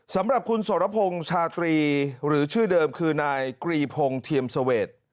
สำหรับคุณสรพงศ์ชาตรีหรือชื่อเดิมคือนายกรีพงศ์เทียมเสวด